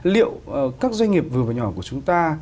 liệu các doanh nghiệp vừa và nhỏ của chúng ta